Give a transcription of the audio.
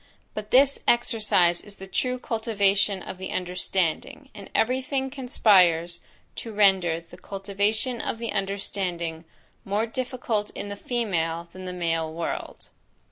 But this exercise is the true cultivation of the understanding; and every thing conspires to render the cultivation of the understanding more difficult in the female than the male world.